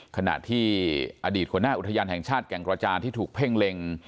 ขณะที่อดีตหัวหน้าอุทยานแห่งชาติแก่งกระจานที่ถูกเพ่งเล็ง